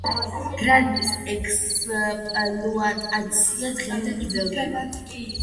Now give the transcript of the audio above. გრანიტის ექსპლუატაცია დღემდე გრძელდება.